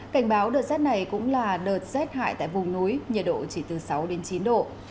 cảnh báo đợt rét này cũng là đợt rét hại tại vùng núi nhiệt độ chỉ từ sáu đến chín độ